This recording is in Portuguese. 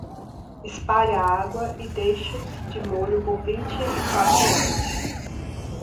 Espalhe a água e deixe-os de molho por vinte e quatro horas.